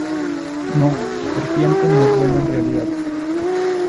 No, Serpiente no es bueno en realidad.